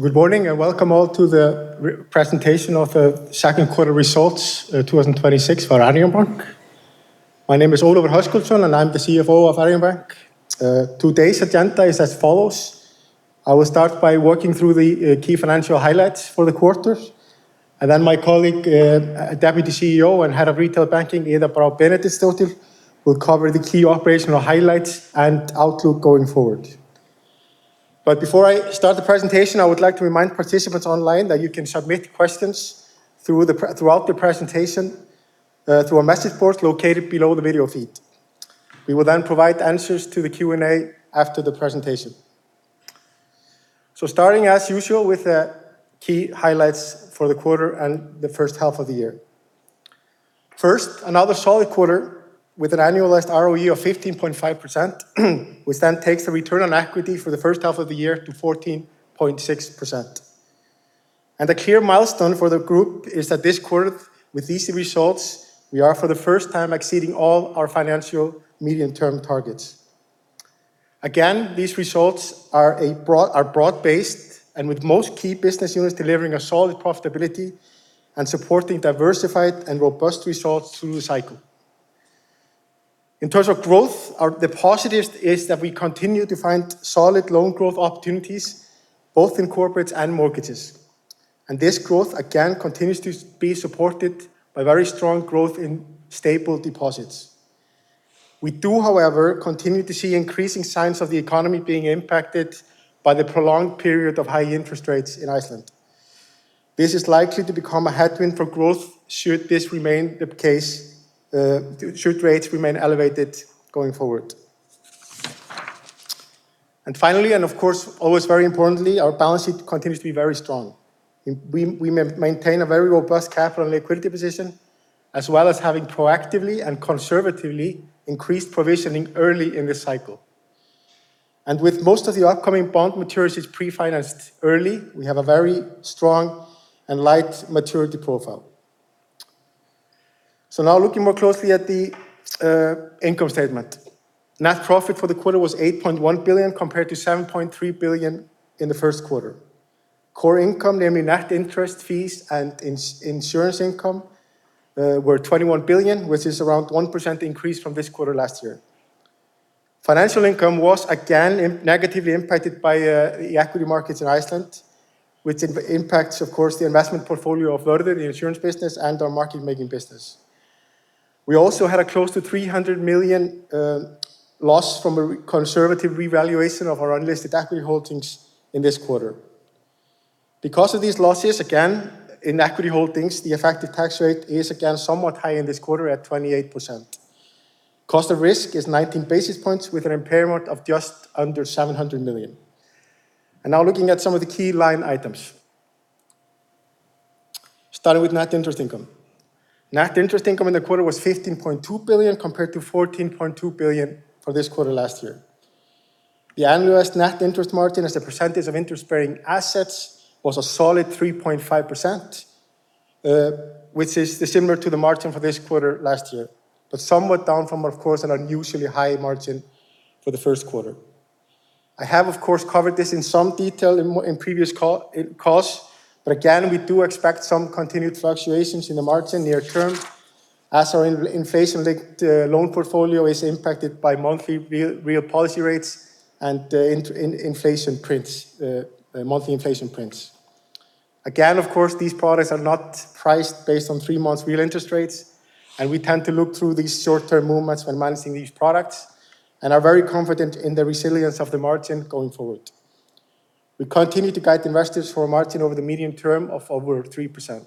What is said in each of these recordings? Good morning, and welcome all to the presentation of the second quarter results 2026 for Arion Bank. My name is Ólafur Höskuldsson, and I am the CFO of Arion Bank. Today's agenda is as follows. I will start by working through the key financial highlights for the quarter. My colleague, Deputy CEO and Head of Retail Banking, Iða Brá Benediktsdóttir, will cover the key operational highlights and outlook going forward. Before I start the presentation, I would like to remind participants online that you can submit questions throughout the presentation through a message board located below the video feed. We will then provide answers to the Q&A after the presentation. Starting as usual with the key highlights for the quarter and the first half of the year. First, another solid quarter with an annualized ROE of 15.5%, which then takes the return on equity for the first half of the year to 14.6%. The clear milestone for the group is that this quarter, with these results, we are for the first time exceeding all our financial medium-term targets. Again, these results are broad-based and with most key business units delivering a solid profitability and supporting diversified and robust results through the cycle. In terms of growth, the positive is that we continue to find solid loan growth opportunities both in corporates and mortgages. This growth, again, continues to be supported by very strong growth in stable deposits. We do, however, continue to see increasing signs of the economy being impacted by the prolonged period of high interest rates in Iceland. This is likely to become a headwind for growth should this remain the case, should rates remain elevated going forward. Finally, and of course, always very importantly, our balance sheet continues to be very strong. We maintain a very robust capital and liquidity position, as well as having proactively and conservatively increased provisioning early in this cycle. With most of the upcoming bond maturities pre-financed early, we have a very strong and light maturity profile. Now looking more closely at the income statement. Net profit for the quarter was 8.1 billion, compared to 7.3 billion in the first quarter. Core income, namely net interest fees and insurance income, was 21 billion, which is around 1% increase from this quarter last year. Financial income was again negatively impacted by the equity markets in Iceland, which impacts, of course, the investment portfolio of Vörður, the insurance business, and our market-making business. We also had a close to 300 million loss from a conservative revaluation of our unlisted equity holdings in this quarter. Because of these losses, again, in equity holdings, the effective tax rate is again somewhat high in this quarter at 28%. Cost of risk is 19 basis points with an impairment of just under 700 million. Now looking at some of the key line items. Starting with net interest income. Net interest income in the quarter was 15.2 billion compared to 14.2 billion for this quarter last year. The annualized net interest margin as a percentage of interest-bearing assets was a solid 3.5%, which is similar to the margin for this quarter last year, but somewhat down from, of course, an unusually high margin for the first quarter. I have, of course, covered this in some detail in previous calls, but again, we do expect some continued fluctuations in the margin near term as our inflation-linked loan portfolio is impacted by monthly real policy rates and monthly inflation prints. Again, of course, these products are not priced based on three months real interest rates, and we tend to look through these short-term movements when managing these products and are very confident in the resilience of the margin going forward. We continue to guide investors for a margin over the medium term of over 3%.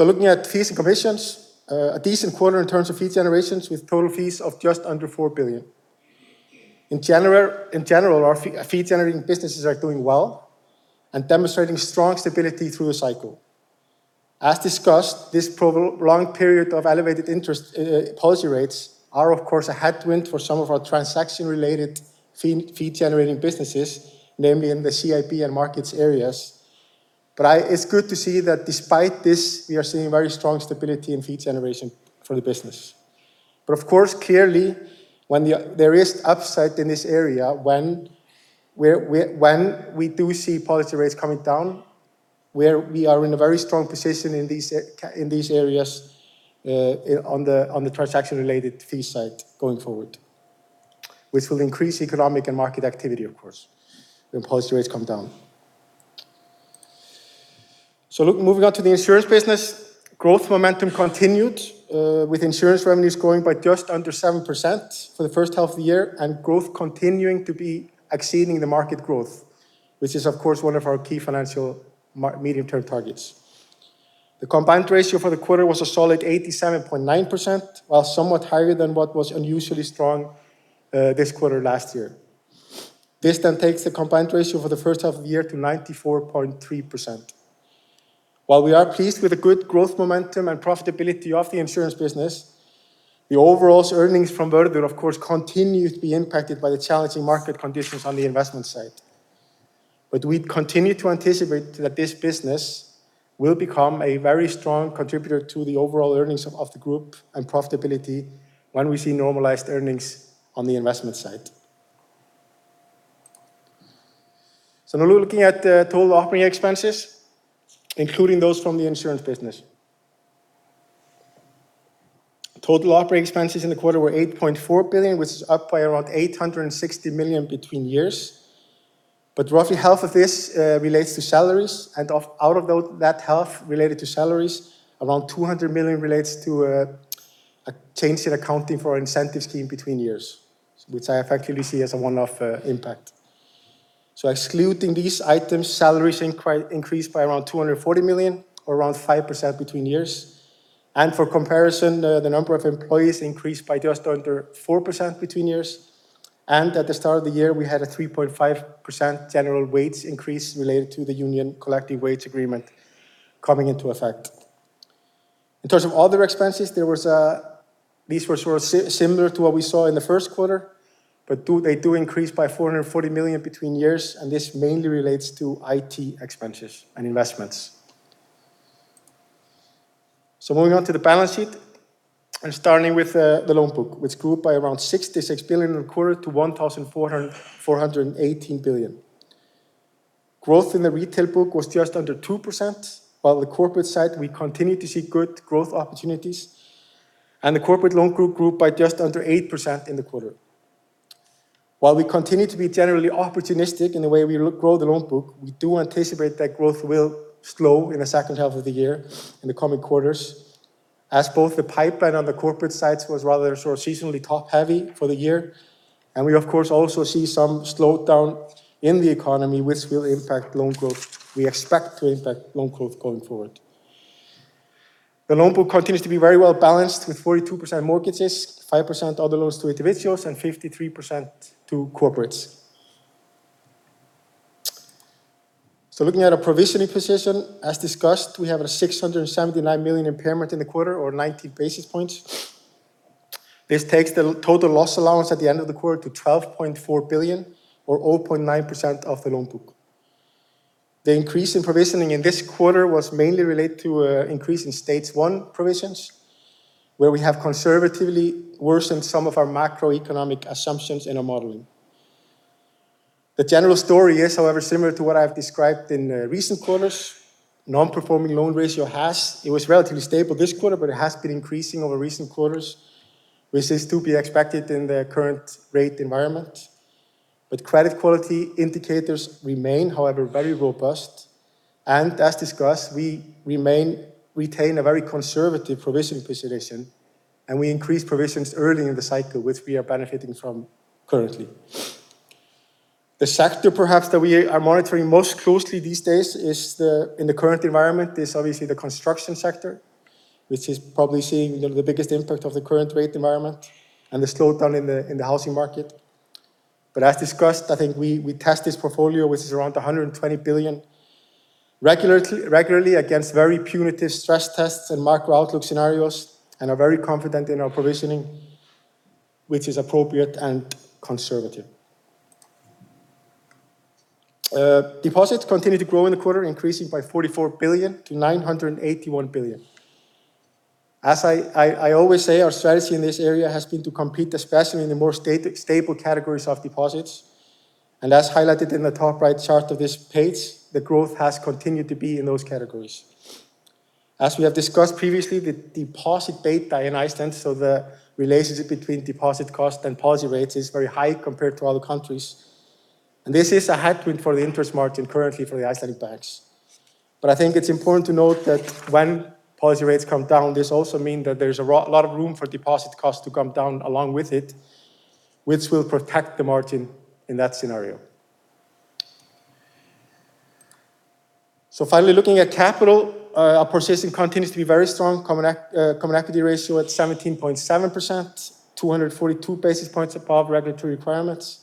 Looking at fees and commissions, a decent quarter in terms of fee generations with total fees of just under 4 billion. In general, our fee-generating businesses are doing well and demonstrating strong stability through the cycle. As discussed, this prolonged period of elevated interest policy rates are, of course, a headwind for some of our transaction-related fee-generating businesses, namely in the CIB and Markets areas. It's good to see that despite this, we are seeing very strong stability in fee generation for the business. Of course, clearly, when there is upside in this area, when we do see policy rates coming down, we are in a very strong position in these areas on the transaction-related fee side going forward, which will increase economic and market activity, of course, when policy rates come down. Moving on to the insurance business. Growth momentum continued, with insurance revenues growing by just under 7% for the first half of the year, and growth continuing to be exceeding the market growth, which is of course, one of our key financial medium-term targets. The combined ratio for the quarter was a solid 87.9%, while somewhat higher than what was unusually strong this quarter last year. This takes the combined ratio for the first half of the year to 94.3%. While we are pleased with the good growth momentum and profitability of the insurance business, the overall earnings from Vörður, of course, continue to be impacted by the challenging market conditions on the investment side. We continue to anticipate that this business will become a very strong contributor to the overall earnings of the group and profitability when we see normalized earnings on the investment side. So now we're looking at the total operating expenses, including those from the insurance business. Total operating expenses in the quarter were 8.4 billion, which is up by around 860 million between years but roughly half of this relates to salaries, and out of that half related to salaries, around 200 million relates to a change in accounting for our incentives scheme between years, which I effectively see as a one-off impact. Excluding these items, salaries increased by around 240 million or around 5% between years. For comparison, the number of employees increased by just under 4% between years. At the start of the year, we had a 3.5% general wage increase related to the union collective wage agreement coming into effect. In terms of other expenses, these were similar to what we saw in the first quarter, but they do increase by 440 million between years, and this mainly relates to IT expenses and investments. Moving on to the balance sheet and starting with the loan book, which grew up by around 66 billion in the quarter to 1,418 billion. Growth in the retail book was just under 2%, while on the corporate side, we continue to see good growth opportunities. The corporate loan group grew up by just under 8% in the quarter. While we continue to be generally opportunistic in the way we grow the loan book, we do anticipate that growth will slow in the second half of the year, in the coming quarters, as both the pipeline on the corporate sides was rather sort of seasonally top-heavy for the year, and we of course also see some slowdown in the economy which we expect to impact loan growth going forward. The loan book continues to be very well balanced with 42% mortgages, 5% other loans to individuals, and 53% to corporates. Looking at our provisioning position, as discussed, we have a 679 million impairment in the quarter or 19 basis points. This takes the total loss allowance at the end of the quarter to 12.4 billion or 0.9% of the loan book. The increase in provisioning in this quarter was mainly related to an increase in Stage 1 provisions, where we have conservatively worsened some of our macroeconomic assumptions in our modeling. The general story is, however, similar to what I've described in recent quarters. Non-performing loan ratio was relatively stable this quarter, but it has been increasing over recent quarters, which is to be expected in the current rate environment. Credit quality indicators remain, however, very robust. As discussed, we retain a very conservative provisioning position, and we increased provisions early in the cycle, which we are benefiting from currently. The sector perhaps that we are monitoring most closely these days in the current environment is obviously the construction sector, which is probably seeing the biggest impact of the current rate environment and the slowdown in the housing market. As discussed, I think we test this portfolio, which is around 120 billion, regularly against very punitive stress tests and macro outlook scenarios and are very confident in our provisioning, which is appropriate and conservative. Deposits continued to grow in the quarter, increasing by 44 billion to 981 billion. As I always say, our strategy in this area has been to compete, especially in the more stable categories of deposits. As highlighted in the top right chart of this page, the growth has continued to be in those categories. As we have discussed previously, the deposit beta in Iceland, so the relationship between deposit cost and policy rates, is very high compared to other countries. This is a headwind for the interest margin currently for the Icelandic banks. I think it's important to note that when policy rates come down, this also means that there's a lot of room for deposit costs to come down along with it, which will protect the margin in that scenario. Finally, looking at capital, our position continues to be very strong. Common equity ratio at 17.7%, 242 basis points above regulatory requirements.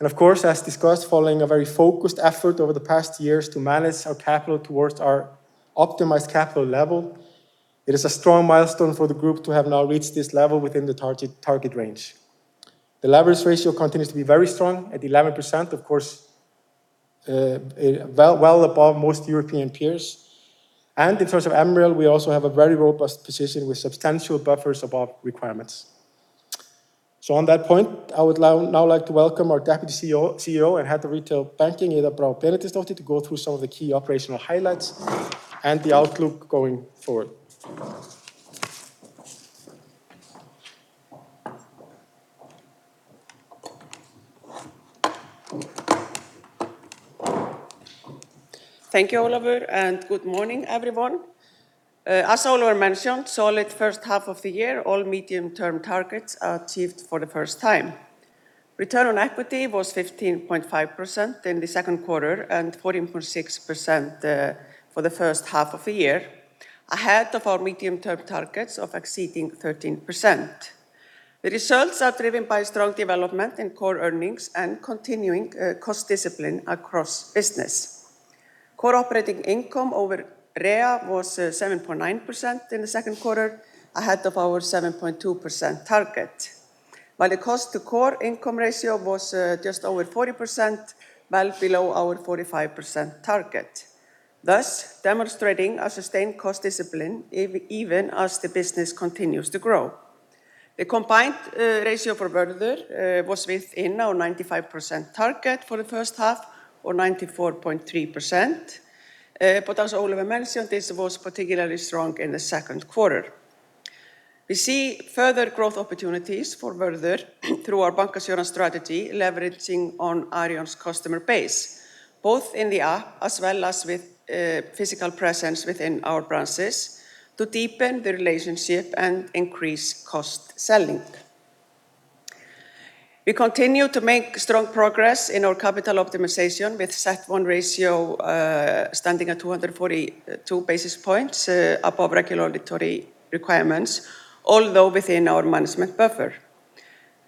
Of course, as discussed, following a very focused effort over the past years to manage our capital towards our optimized capital level, it is a strong milestone for the group to have now reached this level within the target range. The leverage ratio continues to be very strong at 11%, of course, well above most European peers. In terms of MREL, we also have a very robust position with substantial buffers above requirements. On that point, I would now like to welcome our Deputy CEO and Head of Retail Banking, Iða Brá Benediktsdóttir, to go through some of the key operational highlights and the outlook going forward. Thank you, Ólafur, and good morning, everyone. As Ólafur mentioned, solid first half of the year. All medium-term targets are achieved for the first time. Return on equity was 15.5% in the second quarter and 14.6% for the first half of the year, ahead of our medium-term targets of exceeding 13%. The results are driven by strong development in core earnings and continuing cost discipline across business. Core operating income over REA was 7.9% in the second quarter, ahead of our 7.2% target. While the cost to core income ratio was just over 40%, well below our 45% target, thus demonstrating a sustained cost discipline even as the business continues to grow. The combined ratio for Vörður was within our 95% target for the first half or 94.3%. As Ólafur mentioned, this was particularly strong in the second quarter. We see further growth opportunities for Vörður through our Bankasýn strategy, leveraging on Arion's customer base, both in the app as well as with physical presence within our branches to deepen the relationship and increase cross selling. We continue to make strong progress in our capital optimization, with CET1 ratio standing at 242 basis points above regulatory requirements, although within our management buffer.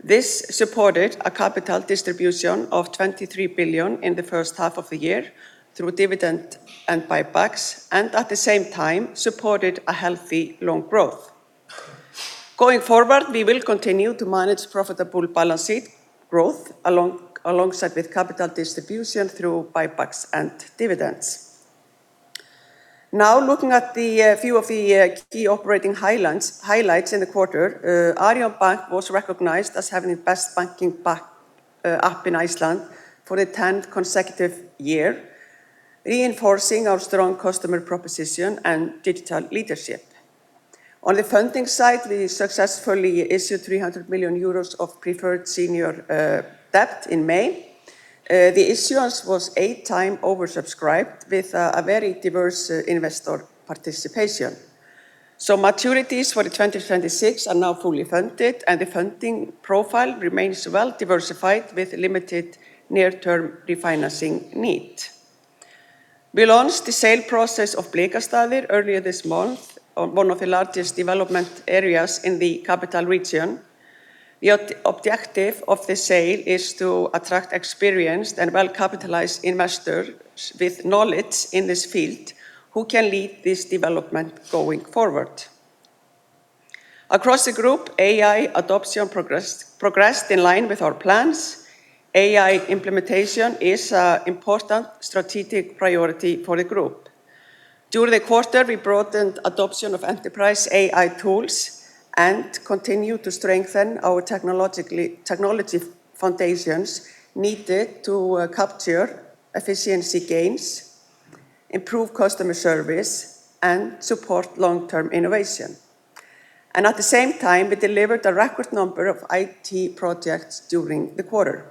This supported a capital distribution of 23 billion in the first half of the year through dividend and buybacks and at the same time supported a healthy loan growth. Going forward, we will continue to manage profitable balance sheet growth alongside with capital distribution through buybacks and dividends. Now, looking at the few of the key operating highlights in the quarter, Arion Bank was recognized as having the best banking app in Iceland for the 10th consecutive year, reinforcing our strong customer proposition and digital leadership. On the funding side, we successfully issued 300 million euros of preferred senior debt in May. The issuance was eight times oversubscribed with a very diverse investor participation. Maturities for 2026 are now fully funded, and the funding profile remains well-diversified with limited near-term refinancing need. We launched the sale process of Blikastaðaland earlier this month, on one of the largest development areas in the capital region. The objective of the sale is to attract experienced and well-capitalized investors with knowledge in this field who can lead this development going forward. Across the group, AI adoption progressed in line with our plans. AI implementation is an important strategic priority for the group. During the quarter, we broadened adoption of enterprise AI tools and continued to strengthen our technology foundations needed to capture efficiency gains, improve customer service, and support long-term innovation and at the same time, we delivered a record number of IT projects during the quarter.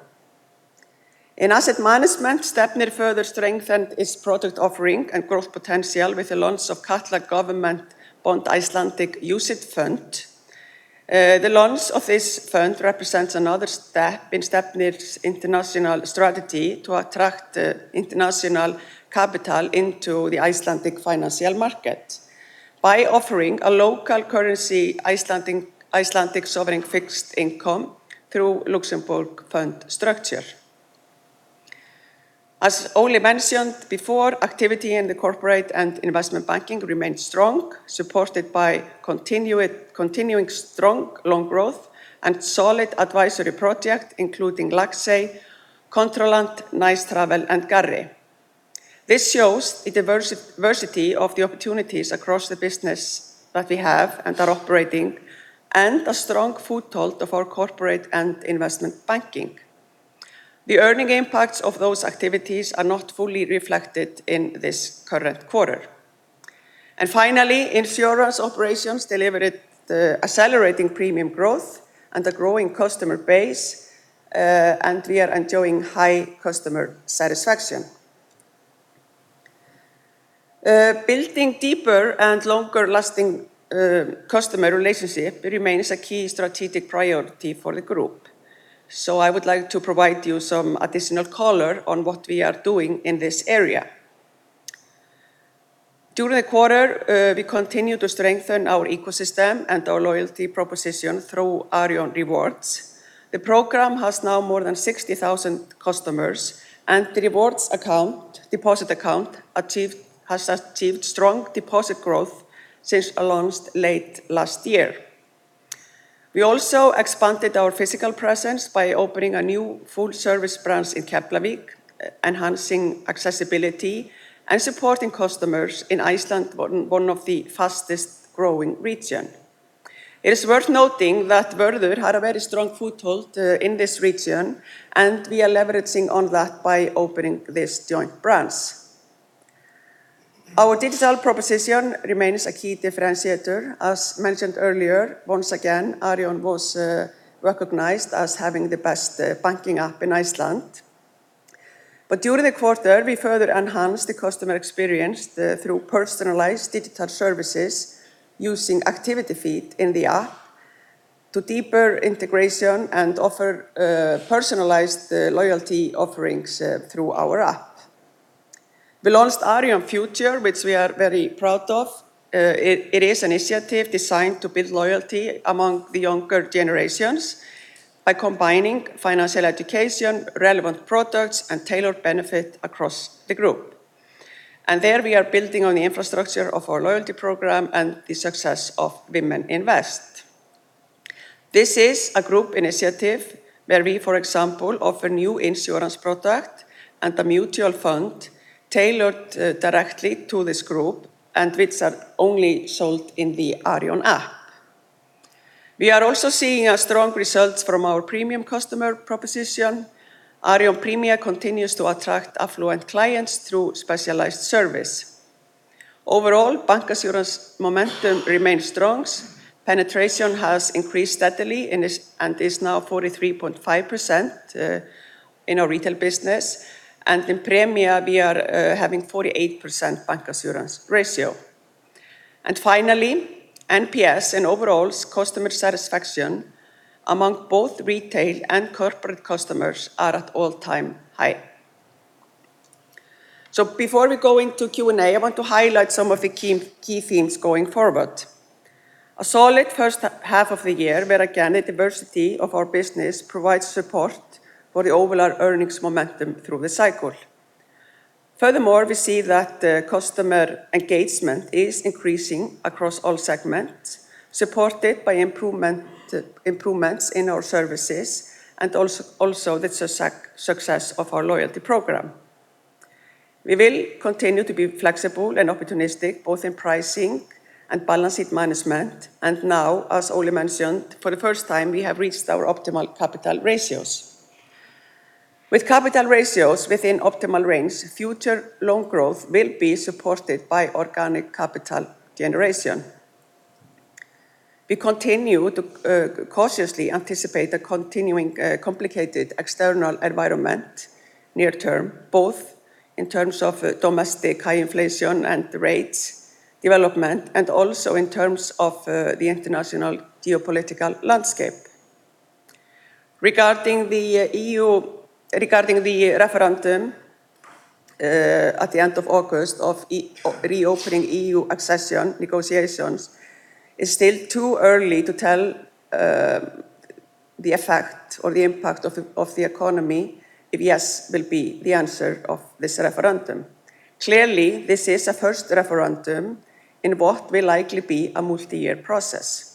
In Asset Management, Stefnir further strengthened its product offering and growth potential with the launch of Katla Government Bonds Icelandic UCITS Fund. The launch of this fund represents another step in Stefnir's international strategy to attract international capital into the Icelandic financial market by offering a local currency Icelandic sovereign fixed income through Luxembourg fund structure. As Ólafur mentioned before, activity in the Corporate & Investment Banking remained strong, supported by continuing strong loan growth and solid advisory projects including Laxey, Controlant, Nicetravel, and Garri. This shows the diversity of the opportunities across the business that we have and are operating and a strong foothold of our Corporate & Investment Banking. The earning impacts of those activities are not fully reflected in this current quarter. Finally, insurance operations delivered accelerating premium growth and a growing customer base, and we are enjoying high customer satisfaction. Building deeper and longer-lasting customer relationships remains a key strategic priority for the group. I would like to provide you some additional color on what we are doing in this area. During the quarter, we continued to strengthen our ecosystem and our loyalty proposition through Arion Rewards. The program has now more than 60,000 customers, and the rewards deposit account has achieved strong deposit growth since it launched late last year. We also expanded our physical presence by opening a new full-service branch in Keflavík, enhancing accessibility and supporting customers in Iceland, one of the fastest-growing regions. It is worth noting that Vörður had a very strong foothold in this region, and we are leveraging on that by opening this joint branch. Our digital proposition remains a key differentiator. As mentioned earlier, once again, Arion was recognized as having the best banking app in Iceland. During the quarter, we further enhanced the customer experience through personalized digital services using activity feed in the app to deeper integration and offer personalized loyalty offerings through our app. We launched Arion Future, which we are very proud of. It is an initiative designed to build loyalty among the younger generations by combining financial education, relevant products, and tailored benefit across the group and there we are building on the infrastructure of our loyalty program and the success of Women Invest. This is a group initiative where we, for example, offer new insurance product and a mutual fund tailored directly to this group and which are only sold in the Arion app. We are also seeing strong results from our premium customer proposition. Arion Premia continues to attract affluent clients through specialized service. Overall, bancassurance momentum remains strong. Penetration has increased steadily and is now 43.5% in our retail business. In Premia, we are having 48% bancassurance ratio. Finally, NPS and overall customer satisfaction among both retail and corporate customers are at all-time high. Before we go into Q&A, I want to highlight some of the key themes going forward. A solid first half of the year where, again, the diversity of our business provides support for the overall earnings momentum through the cycle. Furthermore, we see that the customer engagement is increasing across all segments, supported by improvements in our services and also the success of our loyalty program. We will continue to be flexible and opportunistic, both in pricing and balance sheet management and now, as Ólafur mentioned, for the first time, we have reached our optimal capital ratios. With capital ratios within optimal range, future loan growth will be supported by organic capital generation. We continue to cautiously anticipate the continuing complicated external environment near term, both in terms of domestic high inflation and rates development and also in terms of the international geopolitical landscape. Regarding the referendum at the end of August of reopening EU accession negotiations, it is still too early to tell the effect or the impact of the economy if yes will be the answer of this referendum. Clearly, this is a first referendum in what will likely be a multi-year process.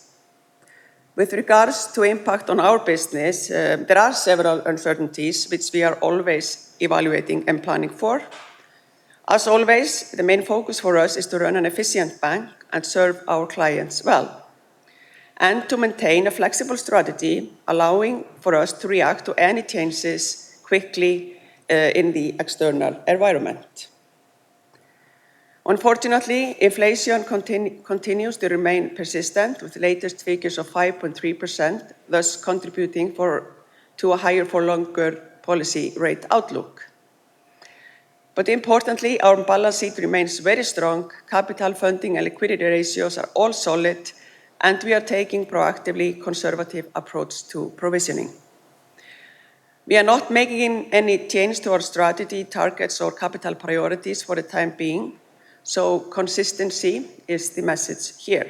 With regards to impact on our business, there are several uncertainties which we are always evaluating and planning for. As always, the main focus for us is to run an efficient bank and serve our clients well and to maintain a flexible strategy allowing for us to react to any changes quickly in the external environment. Unfortunately, inflation continues to remain persistent with latest figures of 5.3%, thus contributing to a higher for longer policy rate outlook. Importantly, our balance sheet remains very strong. Capital funding and liquidity ratios are all solid, and we are taking proactively conservative approach to provisioning. We are not making any change to our strategy targets or capital priorities for the time being, so consistency is the message here.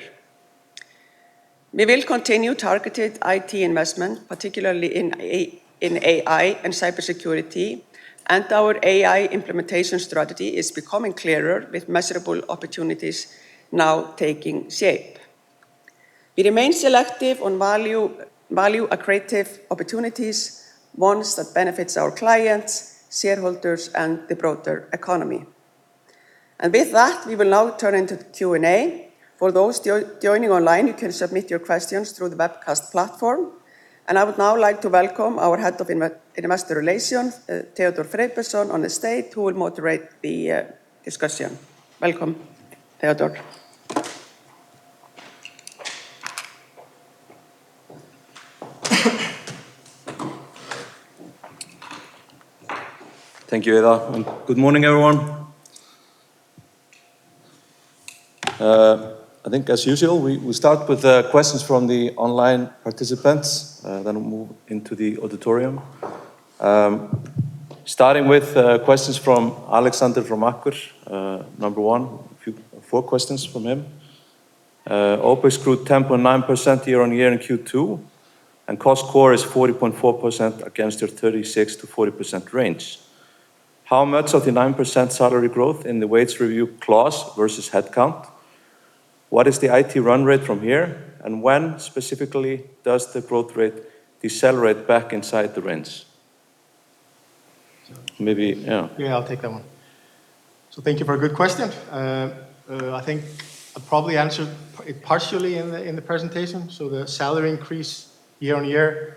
We will continue targeted IT investment, particularly in AI and cybersecurity, and our AI implementation strategy is becoming clearer with measurable opportunities now taking shape. We remain selective on value accretive opportunities, ones that benefits our clients, shareholders, and the broader economy. With that, we will now turn into the Q&A. For those joining online, you can submit your questions through the webcast platform. I would now like to welcome our Head of Investor Relations, Theódór Friðbertsson on the stage who will moderate the discussion. Welcome, Theódór. Thank you, Iða. Good morning, everyone. I think as usual, we start with the questions from the online participants, then we'll move into the auditorium. Starting with questions from Alexander from AKKUR, number one, four questions from him. OpEx grew 10.9% year-on-year in Q2, cost-to-core is 40.4% against your 36%-40% range. How much of the 9% salary growth in the wage review clause versus headcount? What is the IT run rate from here? When specifically does the growth rate decelerate back inside the range? Yeah, I'll take that one. Thank you for a good question. I think I probably answered it partially in the presentation. The salary increase year-on-year,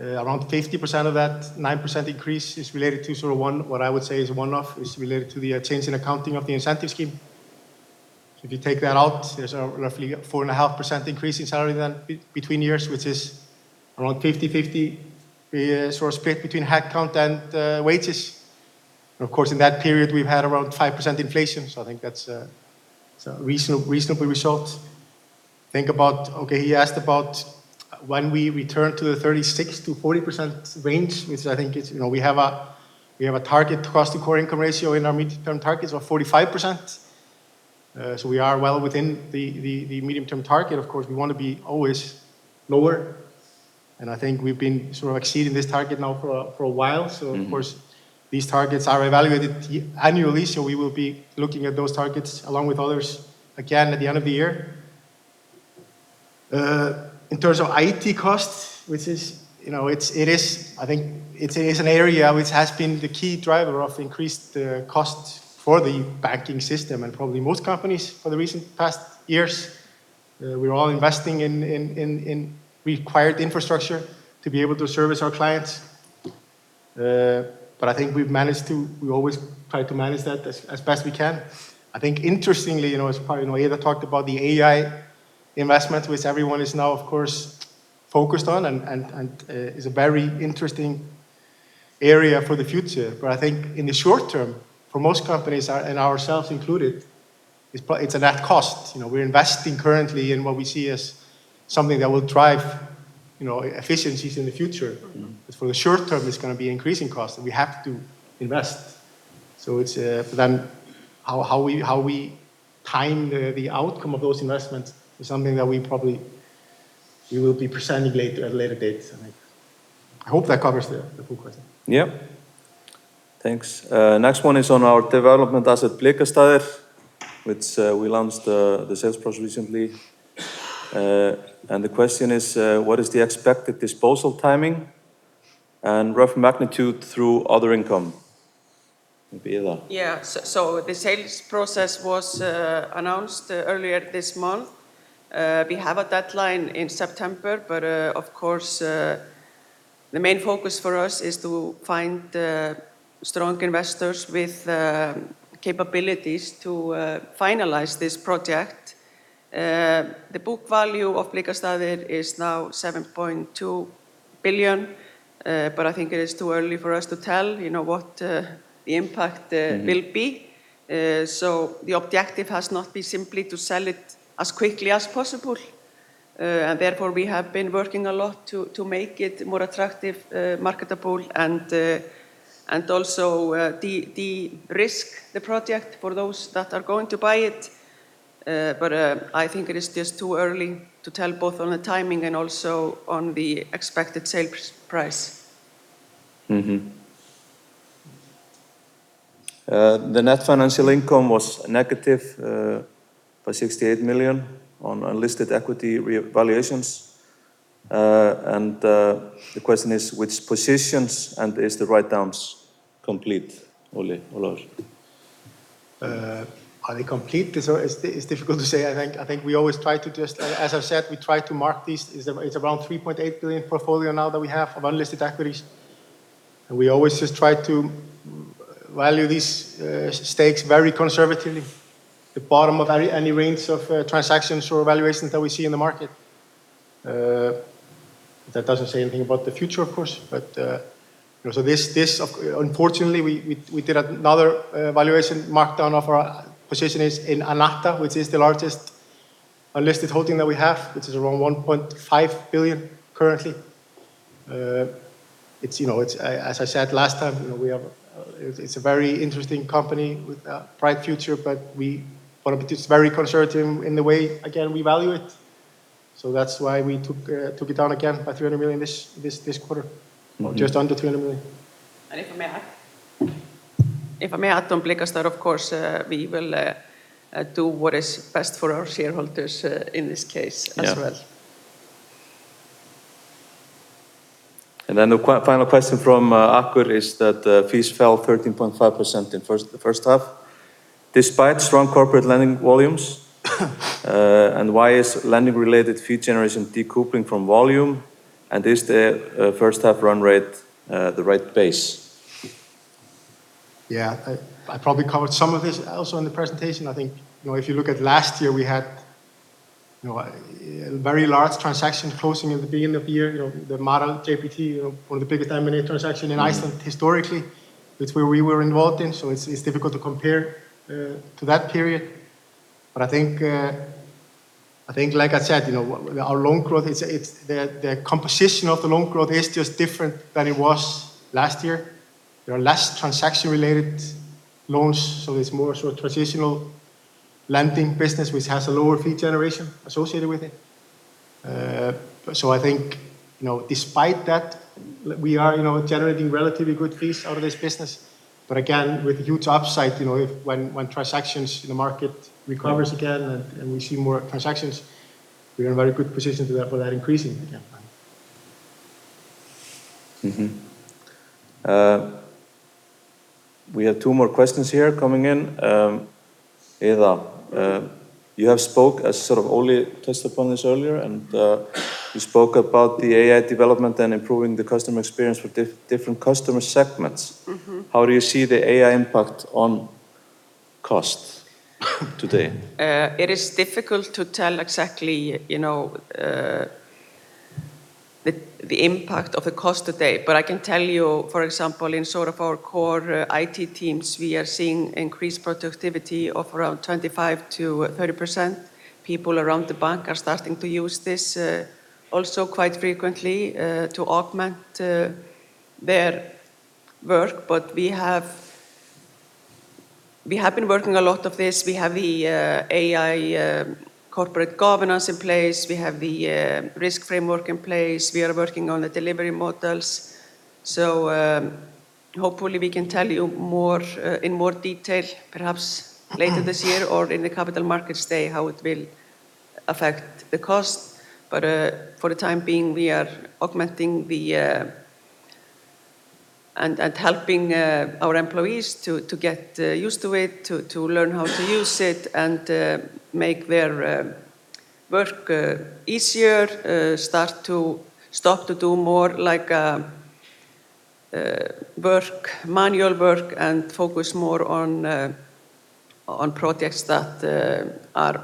around 50% of that 9% increase is related to sort of one, what I would say is one-off, is related to the change in accounting of the incentive scheme. If you take that out, there's roughly a 4.5% increase in salary then between years, which is around 50/50 sort of split between headcount and wages. Of course, in that period, we've had around 5% inflation. I think that's a reasonable result. He asked about when we return to the 36%-40% range, which I think is we have a target cost-to-core income ratio in our mid-term targets of 45%. We are well within the mid-term target. We want to be always lower, and I think we've been exceeding this target now for a while, so of course, these targets are evaluated annually. We will be looking at those targets along with others again at the end of the year. In terms of IT costs, I think it is an area which has been the key driver of increased costs for the banking system and probably most companies for the recent past years we are investing in recquired infrastructure to be able to service our clients but I think we always try to manage that as best we can. I think interestingly, as probably Iða talked about the AI investment, which everyone is now, of course, focused on and is a very interesting area for the future. I think in the short-term, for most companies and ourselves included, it's a net cost. We're investing currently in what we see as something that will drive efficiencies in the future. For the short term, it's going to be increasing costs, and we have to invest with the plan. How we time the outcome of those investments is something that we probably will be presenting at a later date, I think. I hope that covers the full question. Yeah. Thanks. Next one is on our development asset, Blikastaðaland, which we launched the sales process recently. The question is, what is the expected disposal timing and rough magnitude through other income? Maybe Iða. Yeah. The sales process was announced earlier this month. We have a deadline in September, but of course, the main focus for us is to find strong investors with capabilities to finalize this project. The book value of Blikastaðaland is now 7.2 billion. I think it is too early for us to tell what the impact will be. The objective has not been simply to sell it as quickly as possible and therefore, we have been working a lot to make it more attractive, marketable, and also de-risk the project for those that are going to buy it. I think it is just too early to tell, both on the timing and also on the expected sales price. Mm-hmm. The net financial income was negative by 68 million on unlisted equity revaluations. The question is which positions, is the write-downs complete? Ólafur. Are they complete? It's difficult to say. I think, as I've said, we try to mark these. It's around 3.8 billion portfolio now that we have of unlisted equities, we always just try to value these stakes very conservatively. The bottom of any range of transactions or valuations that we see in the market. That doesn't say anything about the future, of course. Unfortunately, we did another valuation markdown of our position in Akta, which is the largest unlisted holding that we have, which is around 1.5 billion currently. As I said last time, it's a very interesting company with a bright future, but we want to be just very conservative in the way, again, we value it so that's why we took it down again by 300 million this quarter just under 300 million. If I may add, on Blikastaðaland, of course, we will do what is best for our shareholders in this case as well. Yeah. Then the final question from AKKUR is that fees fell 13.5% in the first half despite strong corporate lending volumes. Why is lending related fee generation decoupling from volume, and is the first half run rate the right base? Yeah. I probably covered some of this also in the presentation. I think if you look at last year, we had a very large transaction closing at the beginning of the year. The Marel JBT, one of the biggest M&A transactions in Iceland historically, which we were involved in. It's difficult to compare to that period. I think, like I said, the composition of the loan growth is just different than it was last year. There are less transaction-related loans, so it's more traditional lending business, which has a lower fee generation associated with it. I think despite that, we are generating relatively good fees out of this business. Again, with huge upside, when transactions in the market recover again, and we see more transactions, we are in a very good position for that increasing again. Mm-hmm. We have two more questions here coming in. Iða, you have spoken, as Ólafur touched upon this earlier, and you spoke about the AI development and improving the customer experience for different customer segments. How do you see the AI impact on costs today? It is difficult to tell exactly the impact of the cost today but I can tell you, for example, in our core IT teams, we are seeing increased productivity of around 25%-30%. People around the bank are starting to use this also quite frequently to augment their work, but we have been working a lot on this. We have the AI corporate governance in place. We have the risk framework in place. We are working on the delivery models, so hopefully we can tell you in more detail perhaps later this year or in the Capital Markets Day how it will affect the cost. For the time being, we are augmenting and helping our employees to get used to it, to learn how to use it and make their work easier, stop to do more manual work and focus more on projects that are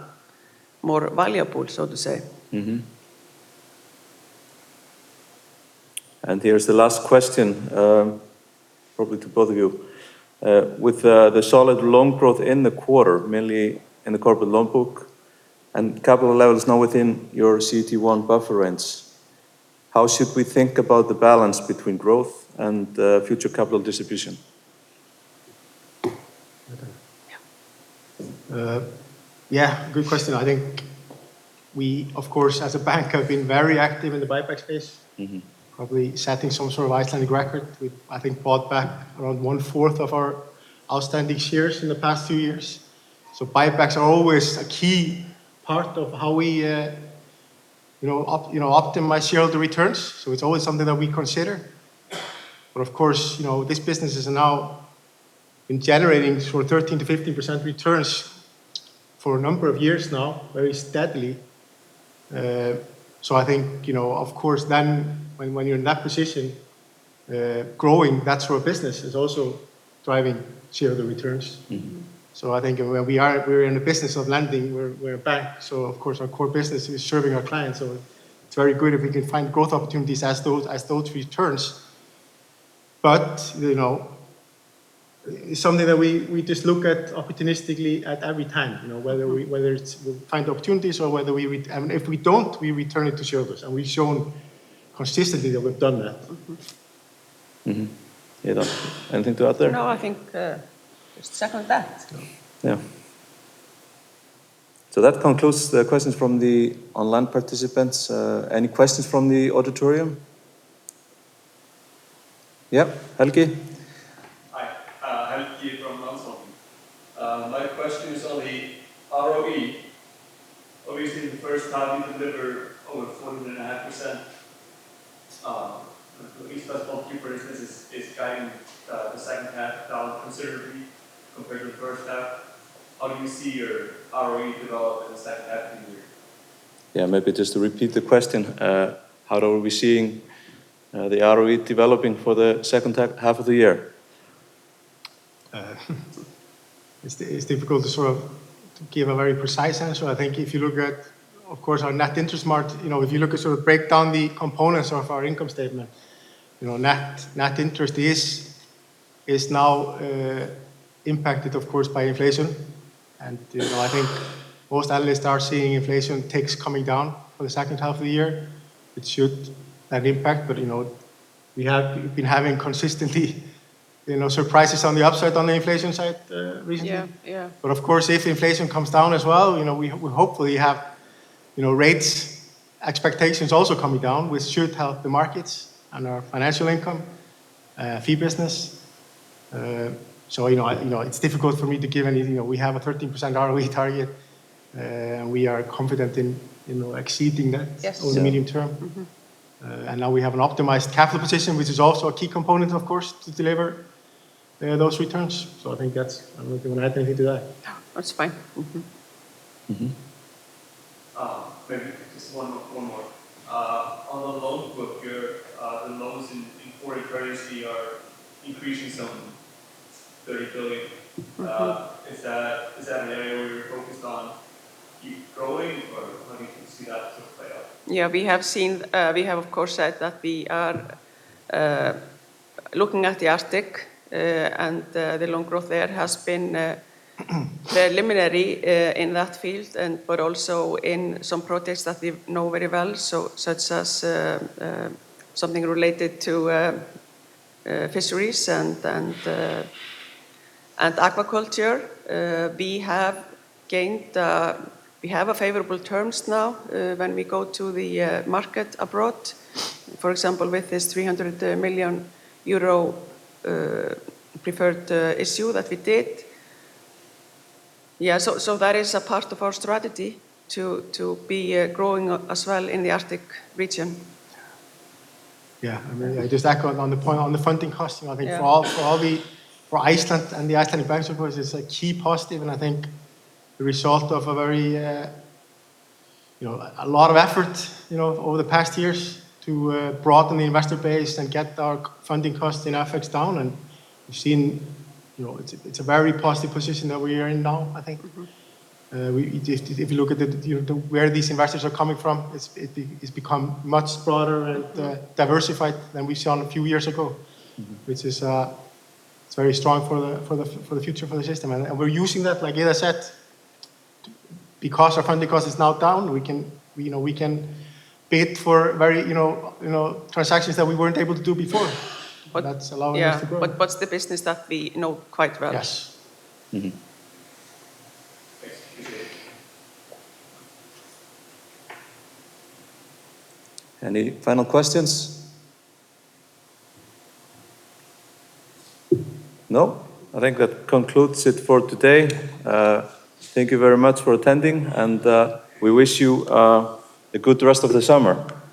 more valuable, so to say. Here is the last question, probably to both of you. With the solid loan growth in the quarter, mainly in the corporate loan book, and capital levels now within your CET1 buffer range, how should we think about the balance between growth and future capital distribution? Good question. I think we, of course, as a bank, have been very active in the buyback space. Probably setting some sort of Icelandic record. We, I think, bought back around 1/4 of our outstanding shares in the past two years. Buybacks are always a key part of how we optimize shareholder returns. It's always something that we consider. Of course, this business has now been generating sort of 13%-15% returns for a number of years now, very steadily. I think, of course then, when you're in that position, growing that sort of business is also driving shareholder returns. I think we're in the business of lending. We're a bank, of course our core business is serving our client so it's very good if we can find growth opportunities as those returns. It's something that we just look at opportunistically at every time, whether we find opportunities. If we don't, we return it to shareholders, and we've shown consistently that we've done that. Iða, anything to add there? No, I think just to second that. Yeah. Yeah. That concludes the questions from the online participants. Any questions from the auditorium? Yeah, Helgi. Hi. Helgi from Landsbankinn. My question is on the ROE. Obviously, the first time you deliver over 14.5%. At least that small cap index is guiding the second half down considerably compared to the first half. How do you see your ROE developing in the second half of the year? Maybe just to repeat the question. How are we seeing the ROE developing for the second half of the year? It's difficult to give a very precise answer. I think if you look at, of course, our net interest margin, if you look to break down the components of our income statement, net interest is now impacted, of course, by inflation. I think most analysts are seeing inflation peaks coming down for the second half of the year. It should have impact, we have been having consistently surprises on the upside on the inflation side recently. Yeah. Of course, if inflation comes down as well, we hopefully have rates expectations also coming down, which should help the markets and our financial income, fee business. It's difficult for me to give anything. We have a 13% ROE target. We are confident in exceeding that- Yes. ...over the medium term. Now we have an optimized capital position, which is also a key component, of course, to deliver those returns. I think, I don't know if you want to add anything to that. No, that's fine. Maybe just one more. On the loan book, the loans in foreign currency are increasing some 30 billion. Is that an area where you're focused on keep growing, or how do you see that sort of play out? We have, of course, said that we are looking at the Arctic, and the loan growth there has been preliminary in that field, but also in some projects that we know very well, such as something related to fisheries and aquaculture. We have favorable terms now when we go to the market abroad, for example, with this 300 million euro preferred issue that we did. So that is a part of our strategy to be growing as well in the Arctic region. Just echoing on the point on the funding cost. Yeah. I think for Iceland and the Icelandic bank support is a key positive, and I think the result of a lot of effort over the past years to broaden the investor base and get our funding costs in FX down. We've seen it's a very positive position that we are in now, I think. If you look at where these investors are coming from, it's become much broader and diversified than we saw a few years ago which is very strong for the future for the system. We're using that, like Iða said, because our funding cost is now down, we can bid for transactions that we weren't able to do before. But- That's allowing us to grow. Yeah, what's the business that we know quite well. Yes. Thanks. Appreciate it. Any final questions? No? I think that concludes it for today. Thank you very much for attending and we wish you a good rest of the summer.